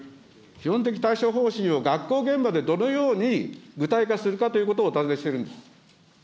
基本的対処方針を学校現場で、どのように具体化するかということをお尋ねしてるんです。